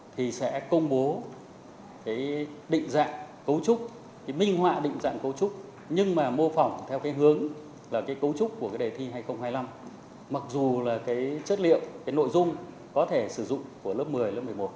thì sẽ công bố định dạng cấu trúc minh họa định dạng cấu trúc nhưng mà mô phỏng theo hướng là cấu trúc của đề thi